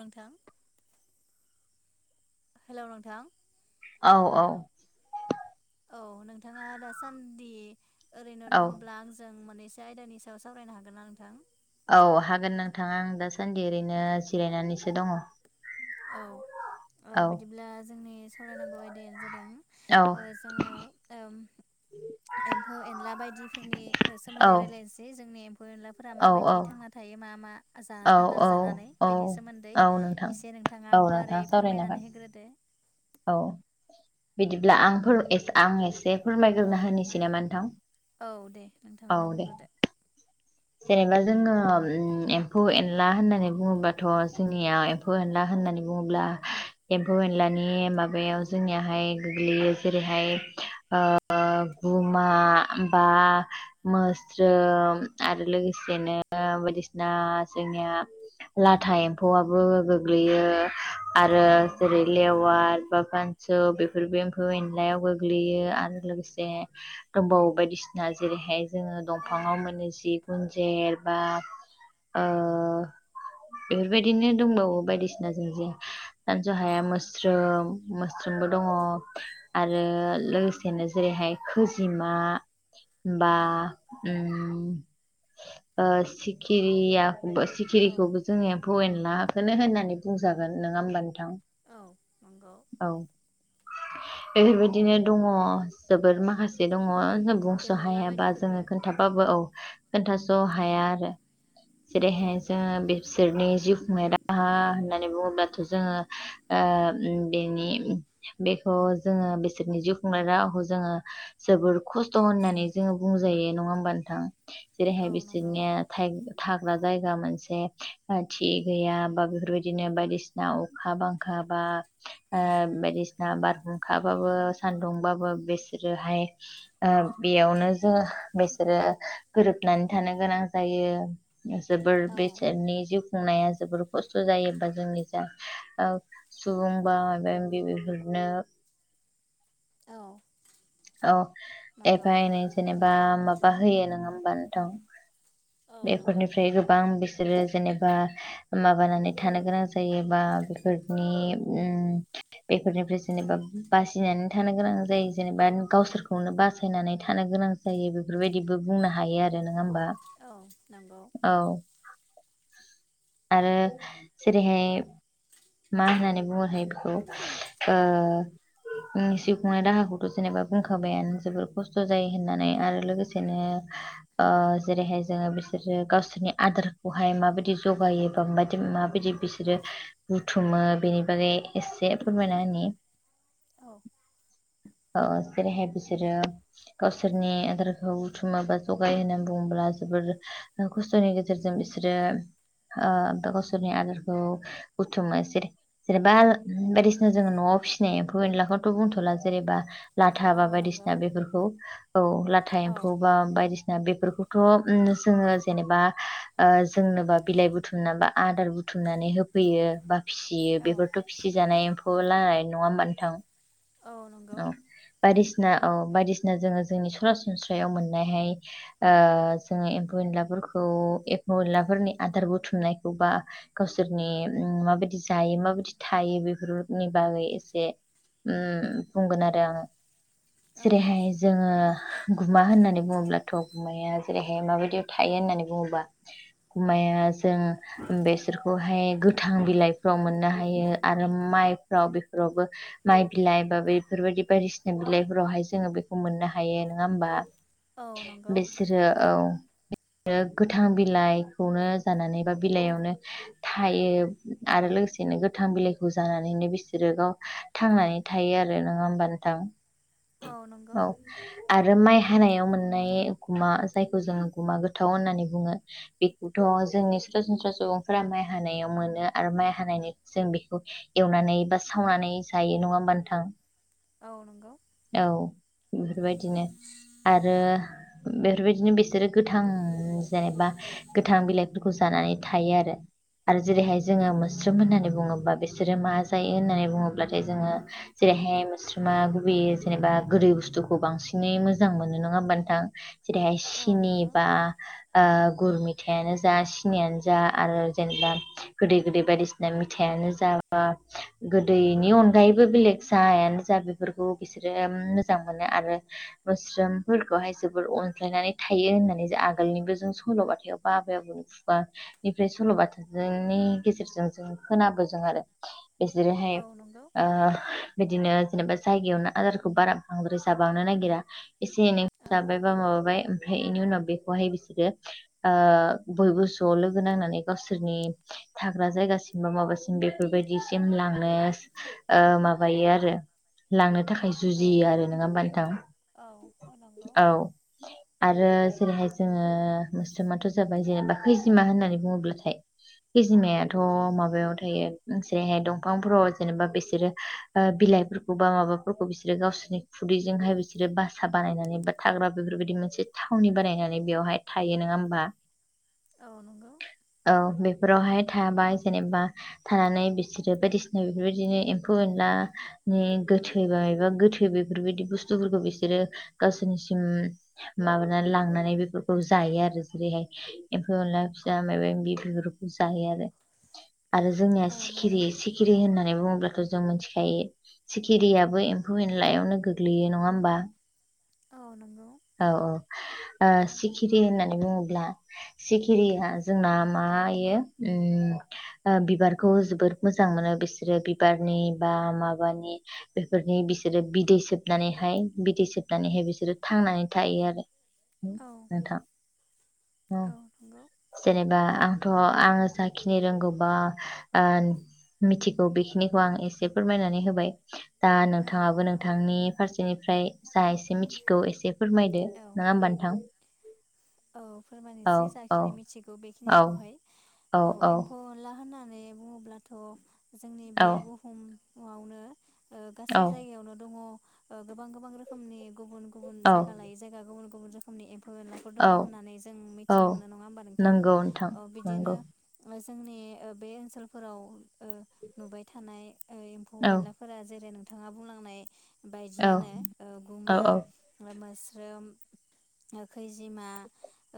नोंथां हेलौ नोंथां! औ औ। औ नोंथाङा दासान्दि ओरैनो औ दङब्ला आंजों माने। आयदानि सायाव सावरायनो हागोन ना नोंथां। औ हागोन नोंथाङा आं दासान्दि ओरैनो जिरायनानैसो दङ। औ ओ औ बिदिब्ला जोंनि सावरायनांगौ आयदाया जादों। औ ओ जोङो ओम। एम्फौ एनला बायदिफोरनि औ सोमोन्दै रायजलायनोसै जोंनि। एनलाफोरा औ माबायदि थांना थायो मा मा। जा औ आदोर जानानै औ बेनि सोमोन्दै औ नोंथां एसे नोंथ। औ गुवारै नोंथां सावरायनो फोरमायनानै हागोन होग्रोदो। औ बिदिब्ला आंथ आं [unintelligible] औ फोरमायग्रोना होनोसै नामा नोंथां औ दे औ नोंथाङानो दे। बुंग्रोदो जेनेबा जोङो ओम एम्फौ एनला होननानै बुङोबाथ' जोंनियाव एम्फौ एनला होन होननानै बुङोब्ला एम्फौ एलानि माबाया जोंनाहाय गोग्लैयो जेरैहाय ओ गुमा ओ मोस्रोम आरो लोगोसेनो बायदिसिना जोंनिया लाथा एम्फौआबो गोग्लैयो आरो औ जेरै लेवार एबा फानसौ बेफोरबो एम्फौ एनलायाव गोग्लैयो आरो लोगोसे दंबावो बायदिसि ना जेरैहाय जोङो औ दंफाङाव मोनो जिब जों जेरबा ओ बेफोरबायदिनो दंबावो बायदिसिना जों जे सानज' हाया औ मोस्रोम मोस्रोमबो दङ आरो लोगोसेनो जेरैहाय खोजिमा बा औ उम ओ सिखिरिया औ सिखिरिखौबो जोंनि एम्फौ एनलाखौनो होननानै बुंजागोन नङा होमबा नोंथां। औ। नंगौ औ बेफोरबायदिनो दङ जोबोर मा माखासे दङ सिखिरि जों बुंस' गेन्दावला हायाबा बायदिफोरबो जोङो खोनथाबाबो औ खोनथास' हाया आरो औ जेरैहाय जोङो बिसोरनि जिउ खुंनाय राहा होननानै बुङोब्लाथ' जोङो ओ उम बेनि बेखौ जोङो बिसोरनि जिउ खुंनाय राहाखौ जोङो जोबोर खस्थ' नानै ज बुंजायो नङा हबा नोंथां औ जेरैहाय नंगौ बिसोरनि थाय था मा जायगा मोनसे थि गैया बा बेफोरबायदिनो बायदिसिना अखा बांखा बा ओ बायदिसिना बारहुंखाबाबो सान्दुंबाबो बिसोरोहाय ओ बेयावनो जोङो बेसोरो गोरोबनानै थानो गोनां जायो। जोबोर औ बेसेनि जु खुंनाया जोबोर खस्थ' जायोबा जोंनि जा ओ सुबुं बा बेबदि बिफोरनो औ औ नंगौ एफा एनै जेनेबा माबा होयो नङा ओमबा नोथां। औ नंगौ बेफोरनिफ्राय गोबां बिसोरो जेनेबा माबानानै थानो गोनां जायो बा बेफोरनि बेफोरनिफ्राय जेनेबा बासिनानै थानो गोनां जायो। जेनेबा गावसोरखौनो बासायनानै थानो गोनां जायो बेफोरबायदिबो बुंनो हायो आरो नङा ओमबा। औ नंगौ। आरो जेरैहाय मा होननानै बुङोथाय बेखौ ओ जिउ खुंनाय राहाखौ जेनेबा बुंखाबायानो जोबोर खस्थ' जायो होननानै आरो लोगोसेनो ओ जेरैहाय जोङो बिसोरो गावसोरनि आदारखौहाय माबायदि जगायोबा म माबायदि बिसोरो बुथुमो बेनि बागै एसे फोरमायना होनि औ जेरैहाय बिसोरो गावसोरनि आदारखौ बुथुमो जगायो होननानै बुङो। बा जोबोर खस्थ'नि गेजेरजों बिसोरो ओ गावसोरनि आदारखौ बुथुमो जेनेबा बायदिसिना जोङो न'आव फिसिनाय एमफौ एनलाखौथ' बुंथ'लास जेनेबा लाथा औ बा नंगौ बायदिसिना बेफोरखौ औ लाथा औ एम्फौ बा बायदिसिना। बेफोरखौथ' जोङो जेनेबा जोंनोबा बिलाइ बुथुमनानै बा आदार बु बुथुमनानै होफैयो बा फिसियो औ बेफोरथ' फिसिजानाय एम्फौ नालाय नङा ओनबा नोंथां। औ नंगौ औ बायदिसिना औ बायदिसिना जोङो जोंनि सरासनस्रायाव मोननायहाय ओ जोङो एमफौ एनलाफोरखौ एम्फौ एनला आदार बुथुमनायखौबा गावसोरनि माबायदि जायो माबायदि थायो बेफोरनि बागै एसे उ बुंगोन आरो आङो औ जेरैहाय जोङो गुमा होननानै बुङोब्लाथ' गुमाया जेरैहाय माबायदियाव थायो होननानै बुङोब्ला। गुमाया जों बेसोरखौहाय गोथां बिलाइफ्राव मोननो हायो आरो मा माइफ्राव बेफोरावबो माइ बिलाइ बा बै बेफोरबायदि बायदिसिना बिलाइफोरावहाय जोङो बेखौ मोननो हायो नङा ओमबा। औ नंगौ बिसोरो औ [inaudible] गोथां बिलाइखौनो जानानै बा बिलाइयावनो थायो आरो लोगोसे नो गोथां बिलाइखौ जानानैनो बिसोरो गाव थांनानै थायो। आरो नङा ओमबा नोंथां औ नंगौ औ आरो माइ हानायाव मोननाय गुमा जायखौ जोङो गुमा गोथाव होननानै बुङो बेखौथ' जोंनि सरासनस्रा सुबुंफोरा माइ हानायाव मोनो आरो माइ हानायनि जों बेखौ एवनानै बा सावनानै जायो नङा ओमबा नोंथां औ नंगौ औ बेफोरबायदिनो आरो बेफोरबायदिनो बिसोरो गोथां जेनेबा गोथां बिलाइफोरखौ जानानै थायो आरो आरो जेरैहाय औ जोङो नंगौ मोस्रोम होननानै बुङोबा बिसोरो मा जायो होननानै बुङोब्लाथाय जोङो जेरैहाय मोस्रोमा गुबैयै जेनेबा गोदै बुस्थुखौ बांसिनै मोजां जेरैहाय औ सिनि नंगौ बा ओ गुर मिथायाइानो जा सिनियानो जा आरो जेनेबा गोदै गोदै बायदिसिना मिथाइ आनो जा बा गोदैनि अनगायैबो बेलेग साहायानो जा बेफोरखौ बिसोरो मोजां मोनो आरो मोस्रोमफोरखौहाय जोबोर अन ज्लायनानै थायो होननानै जों आगोलनिबो जों सल'बाथायाव बा आबै आबौनि खुगानिफ्राय सल'बाथा नि गेजेरजों जों खोनाबोदों आरो बिसोरोहाय औ नंगौ ओ बिदिनो जेनेबा जायगायावनो आदारखौ बारा बांद्राय जाबांनो नागिरा एसे एनै औ जाबाय बा माबाबाय ओमफाय बेनि उनाव बेखौहाय बिसोरो ओ बयबो ज' लोगो नांनानै गावसोरनि थाग्रा जायगासिम बा माबासिम बेफोरबायदिसिम लांनो ओ मा बायो आरो लांनो थाखाय औ जुजियो आरो, नङा होमबा नोंथां? औ औ नंगौ औ आरो जेरैहाय जोङो मोस्रोमाथ' जाबाय जेनेबा खैजिमा होननानै बुङोब्लाथाय खैजिमायाथ' माबायाव थायो जेरैहाय दंफांफोराव जेनेबा बिसोरो ओ बिलाइफोरखौ बा माबाफोरखौ बिसोरो गावसोरनि खुदैजोंहाय बिसोरो बासा बानायनानै बा थाग्रा बे फोर बायदि मोनसे थावनि बानायनानै बेयावहाय थायो, नङा होमबा? औ औ नंगौ औ बे फोरावहाय थाबा जेनेबा थानानै बिसोरो बायदिसिना बेफोरबायदिनो एम्फौ एनला नि गोथै बा एबा गोथै बेफोरबायदि बुस्थुफोरखौ बिसोरो गावसोरनिसिम माबानानै लांनानै बेफोरखौ जायो आरो जेरैहाय एम्फौ एनला फिसा मायबा मायबि बेफोरखौ जायो आरो, आरो जोंनिया औ नंगौ सिखिरि सिखिरि होननानै बुङोब्लाथ' जों मोनथिखायो। सिखिरियाबो एम्फौ एनलायावनो गोग्लैयो, नङा होमबा? औ नंगौ। औ औ ओ सिखिरि होननानै बुङोब्ला सिखिरिया जोंना मा इयो उम ओ बिबारखौ जोबोद मोजां मोनो बिसोरो बिबारनि बा माबानि बेफोरनि बिसोरो बिदै सोबनानैहाय बिदै सोबनानैहाय बिसोरो थांनानै थायो आरो औ नोंथां। औ जेनेबा आं थ' आङो जाखिनि रोंगौ बा ओ मिथिगौ बेखिनिखौ आं एसे फोरमायनानै होबाय। दा औ नोंथाङाबो नोंथांनि फारसेनिफ्राय जा एसे मिथिगौ एसे फोरमायदो, औ नङा होमबा नोंथां? औ औ फोरमायसै औ जाखिनि मिथिगौ औ बेखिनिखौहाय औ एम्फौ एनला होनना नै बुङोब्लाथ' जोंनि बे औ बुहुमावनो ओ गासै औ जायगायावनो दङ। ओ गोबां गोबां रोखोमनि गुबुन गुबुन औ जायगा लायै जायगा गुबुन गुबुन रखोमनि एम्फौ एनला दङ औ होननानै जों औ मिथिनो मोनो। नङा होमबा नोंथां? नंगौ नोंथां ओ बिदिनो नंगौ ओ जोंनि ओ बे ओनसोलफोराव ओ नुबाय थानाय एम्फौ औ एनलाफोरा जेरै नोंथाङा बुंलांनाय औ बायदियानो ओ औ गुमा औ ओमफाय मो स्रोम ओ खैजिमा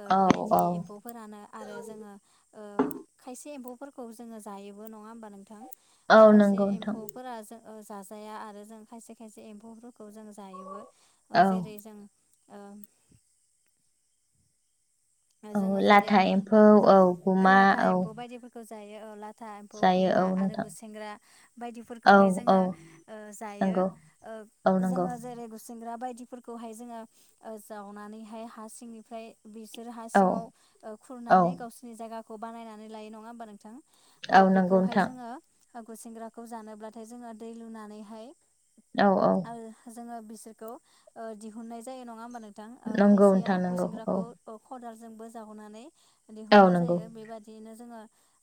ओ औ बायदि औ एम्फौफोरानो आरो जोङो ओ खायसे एम्फौ फोरखौबो जोङो जायोबो नङा होमबा नोंथां? औ ओ खायसे नंगौ नोंथां एम्फौफोरा जों ओ जाजाया आरो जों खायसे खायसे एम्फौफोरखौ जों जायोबो ओ औ जेरै जों ओम। औ जोङो जेरै लाथा ओ एम्फौ औ गुमा लाथा औ एम्फौ बायदिफोरखौ जायो ओ लाथा एम्फौ जायो गुमा औ आरो नोंथां गुसेेंग्रा औ बायदिफोरखौहाय औ जोङो ओ जायो। नंगौ ओ औ ओ नंगौ जोङो जेरै गुुसेंग्रा बायदिफोरखौहाय जोङो ओ जावनानैहाय हा सिंनिफ्राय बि सोर हा औ सिङाव ओ औ खुरनानै गावसोरनि जायगाखौ बानायनानै लायो नङा होमबा नोंथां? अ औ नंगौ बेखौहाय नोंथां जोङो ओ गुसेंग्राखौ जानोब्लाथाय जोङो दै लुनानैहाय औ औ जोङो बिसोरखौ ओ दिहुननाय जायो नङा होमबा नोंथां ओ नंगौ खायसेया नोंथां नंगौ औ गुसेंग्राखौ खदालजोंबो जावनानै औ दिहुननाय नंगौ जायो बेबायदियैनो जोङो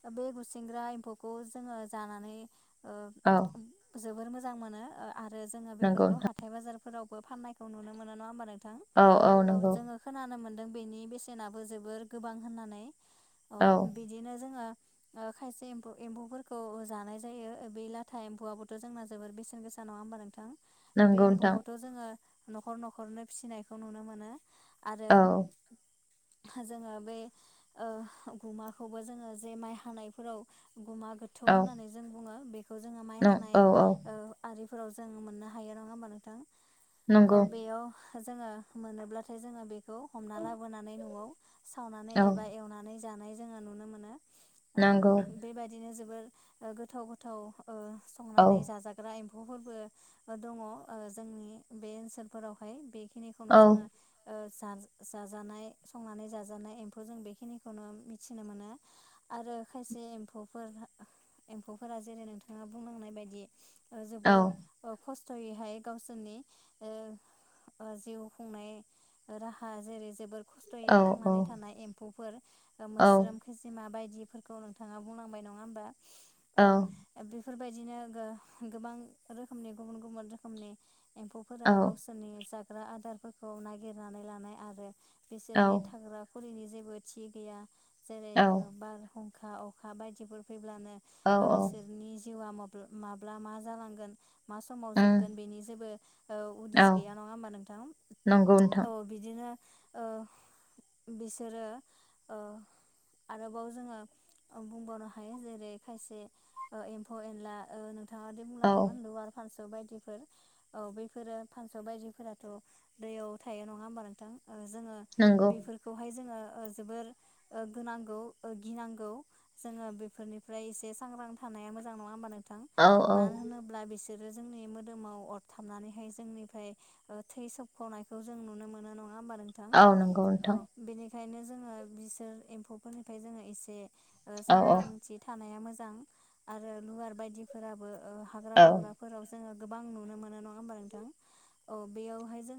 ओ बे गुसेंग्रा एम्फौखौ जोङो जानानै ओ औ जोबोर मोज जां मोनो ओ आरो जोङो नंगौ बेफोरखौ नोंथां हाथाय बाजारफोरावबो फाननायखौ नुनो मोनो नङा होमबा नोंथ थां औ जोङो खोनानो मोनदों बेनि बेसेनाबो जोबोर गोबां होननानै औ बिदिनो जोङो ओ खायसे एम्फ एम्फौफोरखौ ओ जानाय जायो ओ बे लाथा एम्फौआबोथ' जोंना जोबोर बेसेन गोसा नङा होमबा नोंथां बे नंगौ नोंथां एम्फौखौथ' जोङो न'खर न'खरनो फिसिनायखौ नुनो मोनो आरो औ जोङो बे ओ गुमाखौबो जोङो जे माइ हानायफोराव गुमा गोथौ औ होननानै जों बुङो बेखौ जोङो माइ नं हानाय औ औ ओ आरि फोराव जों मोननो हायो नङा होमबा नोंथां औ नंगौ बेयाव जोङो मोनोब्लाथाय जोङो बेखौ हमना लाबोनानै न'आव सावनानै औ एबा एवनानै जानाय जोङो नुनो मोनो ओ नंगौ बेबादिनो जोबोर ओ गोथाव गोथाव ओ औ संनानै जाजाग्रा एम फौफोरबो ओ दङ ओ जोंनि बे ओनसोलफोरावहाय बे खिनिखौनो औ जोङो ओ जाज जाजानाय संनानै जाजानाय एम्फौ जों बेखिनिखौनो मिथिनो मोनो आरो खायसे ए एम्फौफोर हा एम्फौफोरा जेरै- नोंथाङा बुंलांनाय बायदि ओ औ जोबोर ओ खस थ'यैहाय गावसोरनि ओ ओ जिउ खुंनाय ओ राहा हा जेरै - जोबोर औ खस्थ'यै थांनानै थानाय एम्फौफोर ओ औ मोस्रोम खैजोमा बाय दिफोरखौ नोंथाङा बुंलांबाय नङा होमबा औ फोरबायदिनो गो-गोबां रोखोमनि गुबुन गुबुन रोखोमनि औ एम्फौफोरा गावसोरनि जाग्रा आदारफोरखौ नागिरनानै लानाय आरो बिसोरनि थाग्रा खुरिनि जेबो थि गैया जेरै औ ओ बार हुं खा अखा बायदिफोर फैब्लानो ओ औ बिसोरनि जिउआ मोफ बो माब्ला मा जालांगोन मा समाव उम जोबगोन बेनि जेबो ओ औ उदिस गैया नङा होमबा नोंथां नंगौ नोंथां औ बिदिनो ओ बिसोरो ओ आरोबाव जोङो ओ बुंबावनो हायो जेरै- खायसे ओ एम्फौ एनला ओ नों थाङादि औ बुंलांदोंमोन लुवार फानस सौ बायदिफोर औ बैफोरो फानसौ बायदिफोराथ' दैयाव थायो नङा होमबा नोंथां ओ जोङो नंगौ बेफोरखौहाय जोङो ओ जोबोर ओ गोनांगौ ओह गिनांगौ जोङो बेफोरनिफ्राय एसे सांग्रां थान नाया मोजां नङा होमबा नोंथां औ औ मा होनोब्ला बेसो रो जोंनि मोदोमाव अरथाबनानैहाय जोंनिफ्राय ओ थै सबख'नायखौ जों नुनो मोनो नङा ङा होमबा नोंथां औ नंगौ औ नोंथां बेनिखायनो जोङो बिसोर एम्फौफोरनिफ्राय जोङो एसे ओ औ सांग्रांथि थानाया मोजां आरो लुवार बायदिफोराबो ओ हाग्रा औ औ बंग्राफोराव जोङो गोबां नुनो मोनो नङा होमबा नोंथां अ बेयावहाय जोङो